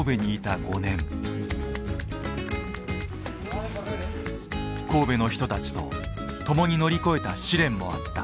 アンドレス神戸の人たちと共に乗り越えた試練もあった。